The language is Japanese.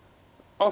あっ。